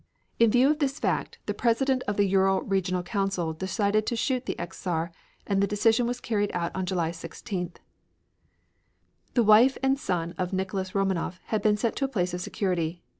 In view of this fact the President of the Ural Regional Council decided to shoot the ex Czar, and the decision was carried out on July 16th. The wife and the son of Nicholas Romanov had been sent to a place of security.